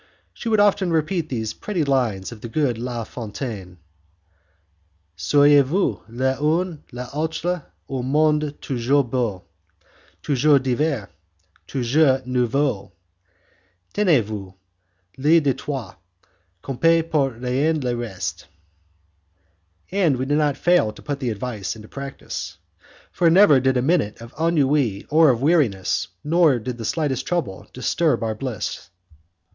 She would often repeat those pretty lines of the good La, Fontaine: 'Soyez vous l'un a l'autre un monde toujours beau, Toujours divers, toujours nouveau; Tenez vous lieu de tout; comptez pour rien le reste.' And we did not fail to put the advice into practice, for never did a minute of ennui or of weariness, never did the slightest trouble, disturb our bliss.